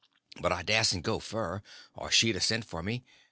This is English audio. But I dasn't go fur, or she'd a sent for me.